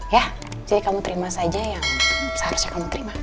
ya jadi kamu terima saja yang seharusnya kamu terima